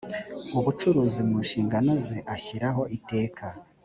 ubucuruzi mu nshingano ze ashyiraho iteka